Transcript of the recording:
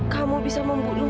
kamu bisa membunuh